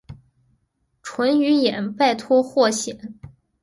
淳于衍拜托霍显。